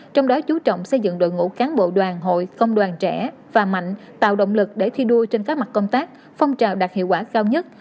trong đó chú trọng xây dựng đội ngũ cán bộ đoàn hội công đoàn trẻ và mạnh tạo động lực để thi đua trên các mặt công tác phong trào đạt hiệu quả cao nhất